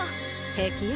平気よ